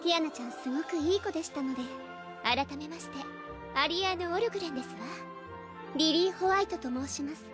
すごくいい子でしたので改めましてアリアーヌ＝オルグレンですわリリィー＝ホワイトと申します